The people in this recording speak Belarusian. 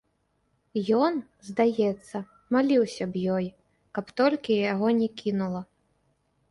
Ён, здаецца, маліўся б ёй, каб толькі яго не кінула.